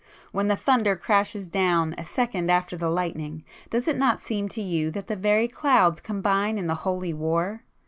When the thunder crashes down a second after the lightning, does it not seem to you that the very clouds combine in the holy war?